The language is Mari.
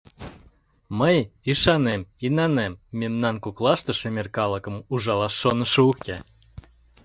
Мый ӱшанем, инанем, мемнан коклаште шемер калыкым ужалаш шонышо уке!